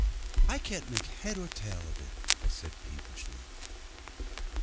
'I can't make head or tail of it,' I said peevishly.